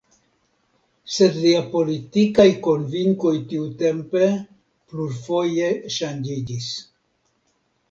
Sed lia politikaj konvinkoj tiutempe plurfoje ŝanĝiĝis.